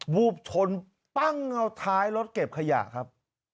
วูบชนปั้งเอาท้ายรถเก็บขยะครับ